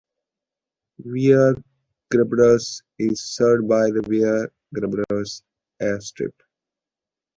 Vier Gebroeders is served by the Vier Gebroeders Airstrip.